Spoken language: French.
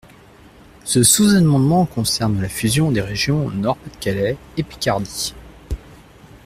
Ce sous-amendement concerne la fusion des régions Nord-Pas-de-Calais et Picardie.